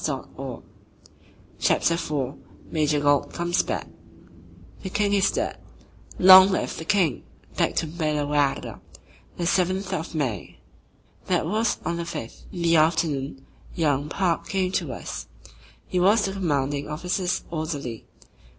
CHAPTER IV MAJOR GAULT COMES BACK "The King Is Dead": "Long Live the King" Back to Belle waarde The Seventh of May. That was on the fifth. In the afternoon young Park came to us. He was the Commanding Officer's orderly.